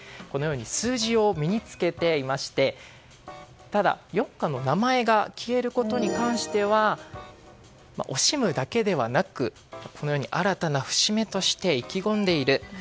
このように数字を身に着けていましてただ、４課の名前が消えることに関しては惜しむだけではなく、このように新たな節目として意気込んでいる。